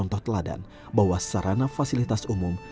contoh teladan bahwa sarana fasilitas umum